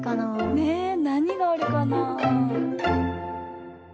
ねえなにがあるかな？